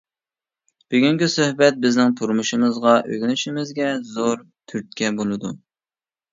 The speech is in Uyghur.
بۈگۈنكى سۆھبەت بىزنىڭ تۇرمۇشىمىزغا ئۆگىنىشىمىزگە زور تۈرتكە بولىدۇ.